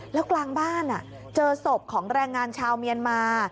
แล้วกลางบ้านเจอศพของแรงงานชาวเมียนมา